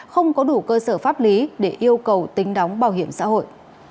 không có đủ cơ sở pháp lý để yêu cầu tính đóng bảo hiểm xã hội